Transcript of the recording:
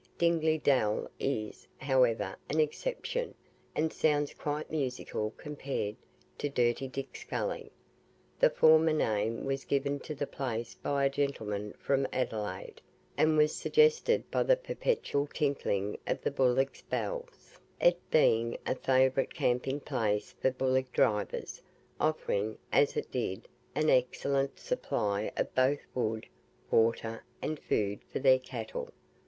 Dingley Dell is, however, an exception, and sounds quite musical compared to Dirty Dick's Gully. The former name was given to the place by a gentleman from Adelaide, and was suggested by the perpetual tinkling of the bullock's bells, it being a favourite camping place for bullock drivers, offering, as it did, an excellent supply of both wood, water, and food for their cattle.